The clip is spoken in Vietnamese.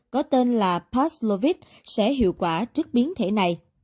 có tên là passlovich sẽ hiệu quả trước biến thể này